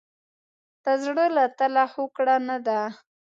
د زړه له تله هوکړه نه ده.